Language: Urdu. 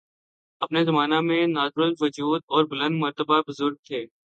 ۔ اپنے زمانہ میں نادرالوجود اور بلند مرتبہ بزرگ تھے